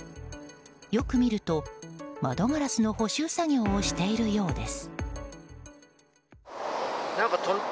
よく見ると窓ガラスの補修作業をしているようです。